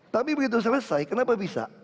tapi begitu selesai kenapa bisa